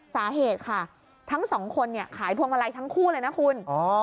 สาเหตุค่ะทั้งสองคนเนี่ยขายพวงมาลัยทั้งคู่เลยนะคุณ